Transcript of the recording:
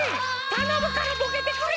たのむからボケてくれ！